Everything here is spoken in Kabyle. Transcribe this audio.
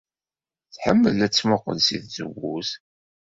Tḥemmel ad temmuqqel seg tzewwut.